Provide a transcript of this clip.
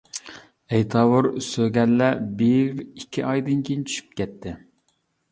ئەيتاۋۇر سۆگەللەر بىر، ئىككى ئايدىن كېيىن چۈشۈپ كەتتى.